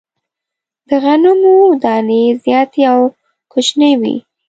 د غنمو دانې زیاتي او کوچنۍ وې.